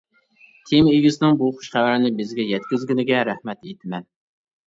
تېما ئىگىسىنىڭ بۇ خۇش خەۋەرنى بىزگە يەتكۈزگىنىگە رەھمەت ئېيتىمەن.